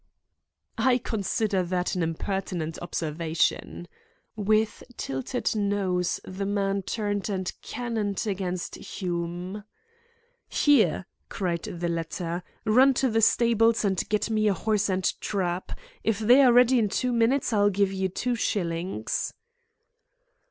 "I consider that an impertinent observation." With tilted nose the man turned and cannoned against Hume. "Here!" cried the latter. "Run to the stables and get me a horse and trap. If they are ready in two minutes I'll give you two shillings."